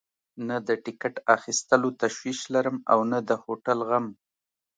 نه د ټکټ اخیستلو تشویش لرم او نه د هوټل غم.